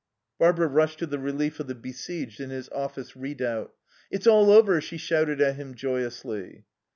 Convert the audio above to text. Barbara rushed to the relief of the besieged in his office redoubt. "It's all over!" she shouted at him joyously.